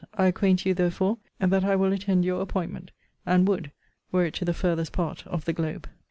I acquaint you, therefore, that I will attend your appointment; and would, were it to the farthest part of the globe.